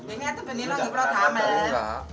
ini adalah tempat yang harus diberikan